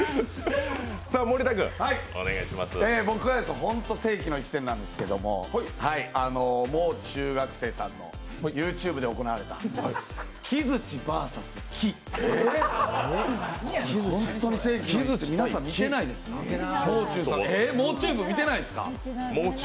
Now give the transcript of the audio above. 僕は本当に世紀の一戦なんですけれども、もう中学生さんのＹｏｕＴｕｂｅで行われた「木づちＶＳ木」、これは本当に世紀のもうチューブ見てないんですか？